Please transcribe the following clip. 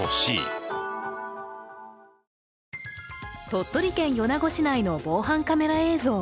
鳥取県米子市内の防犯カメラ映像。